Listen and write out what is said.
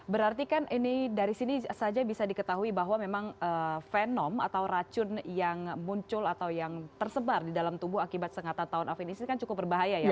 berarti kan ini dari sini saja bisa diketahui bahwa memang fenom atau racun yang muncul atau yang tersebar di dalam tubuh akibat sengatan tahun avenisi kan cukup berbahaya ya